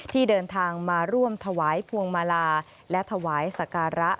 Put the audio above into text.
ที่เดินทางมาร่วมถวายพวงมาลาและถวายสการะ